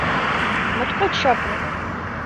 — Моткоч чапле!